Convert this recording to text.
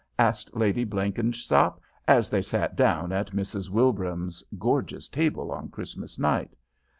asked Lady Blenkinsop, as they sat down at Mrs. Wilbraham's gorgeous table on Christmas night.